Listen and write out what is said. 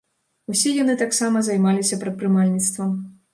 Усе яны таксама займаліся прадпрымальніцтвам.